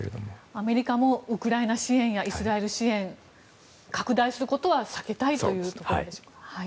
アメリカもイスラエル支援やウクライナ支援拡大することは避けたいというところですね。